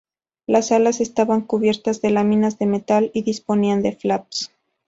Las alas estaban cubiertas de láminas de metal y disponían de flaps.